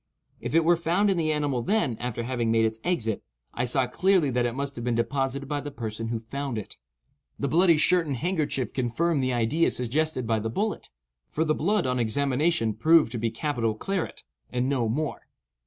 If it were found in the animal then, after having made its exit, I saw clearly that it must have been deposited by the person who found it. The bloody shirt and handkerchief confirmed the idea suggested by the bullet; for the blood on examination proved to be capital claret, and no more.